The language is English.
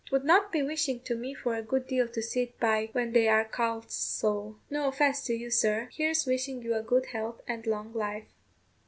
'Twould not be wishing to me for a good deal to sit by when they are called so. No offence to you, sir. Here's wishing you a good health and long life."